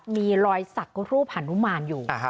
มีรอยสักรูปหานุมานอยู่